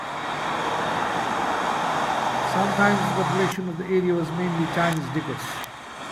Sometimes the population of the area was mainly Chinese diggers.